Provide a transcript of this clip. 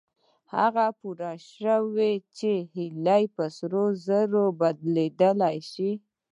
هغه پوه شو چې هيلې په سرو زرو بدلېدلای شي.